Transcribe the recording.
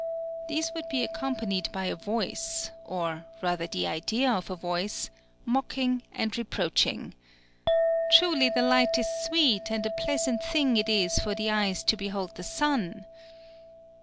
These would be accompanied by a voice, or rather the idea of a voice, mocking and reproaching: "'_Truly the light is sweet, and a pleasant thing it is for the eyes to behold the sun.